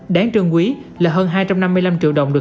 đáng trương quý là hơn hai trăm năm mươi năm triệu đồng được khuất